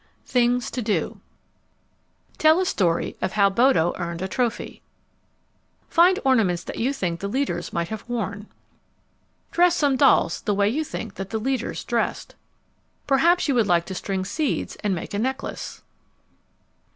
THINGS TO DO Tell a story of how Bodo earned a trophy. Find ornaments that you think the leaders might have worn. Dress some dolls the way you think that the leaders dressed. _Perhaps you would like to string seeds and make a necklace.